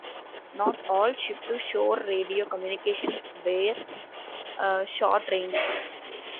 Not all ship-to-shore radio communications were short range.